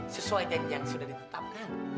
sesuai janjang sudah ditetapkan